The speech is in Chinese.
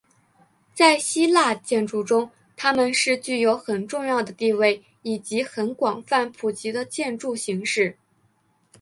在希腊建筑中他们是具有很重要的地位以及很广泛普及的建筑形式。